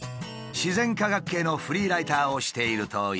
自然科学系のフリーライターをしているといいます。